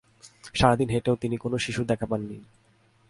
সারাদিন হেঁটেও তিনি কোনো শিশুর দেখা পান নি।